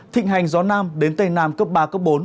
thịnh hành gió nam đến tây nam cấp ba cấp bốn